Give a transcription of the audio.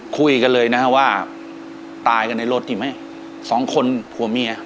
คุยกันเลยนะฮะว่าตายกันในรถอีกไหมสองคนผัวเมีย